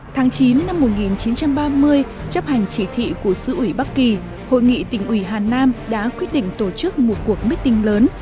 tháng chín năm một nghìn chín trăm ba mươi chấp hành chỉ thị của sứ ủy bắc kỳ hội nghị tỉnh ủy hà nam đã quyết định tổ chức một cuộc meeting lớn